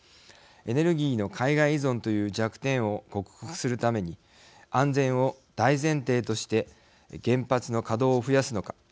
エネルギーの海外依存という弱点を克服するために安全を大前提として原発の稼働を増やすのか。